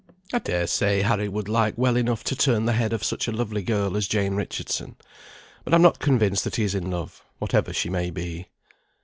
"I dare say Harry would like well enough to turn the head of such a lovely girl as Jane Richardson. But I'm not convinced that he is in love, whatever she may be."